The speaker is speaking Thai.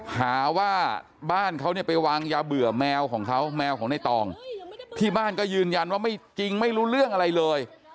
หาว่าบ้านเขาเนี่ยไปวางยาเบื่อแมวของเขาแมวของในตองที่บ้านก็ยืนยันว่าไม่จริงไม่รู้เรื่องอะไรเลย